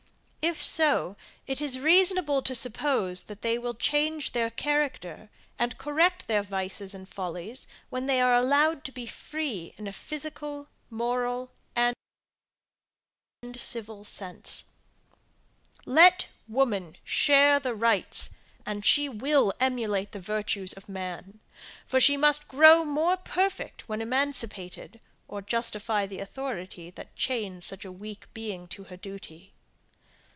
If so, it is reasonable to suppose, that they will change their character, and correct their vices and follies, when they are allowed to be free in a physical, moral, and civil sense. Let woman share the rights, and she will emulate the virtues of man; for she must grow more perfect when emancipated, or justify the authority that chains such a weak being to her duty.